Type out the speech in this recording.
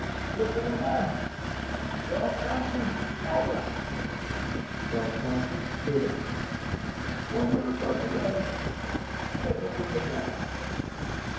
"Look at him now. Char les Thompson, stand up." (Charles Thompson stood up.) "One year ago to day, and look at him now."